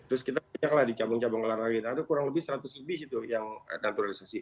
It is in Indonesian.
terus kita punya lah di cabang cabang olahraga ada kurang lebih seratus lebih situ yang naturalisasi